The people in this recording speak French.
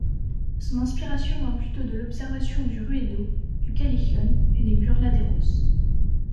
Son inspiration vient plutôt de l'observation du ruedo, du callejón et des burladeros.